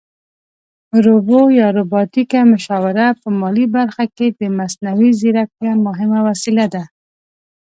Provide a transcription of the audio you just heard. روبو یا روباټیکه مشاوره په مالي برخه کې د مصنوعي ځیرکتیا مهمه وسیله ده